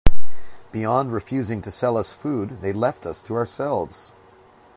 Beyond refusing to sell us food, they left us to ourselves.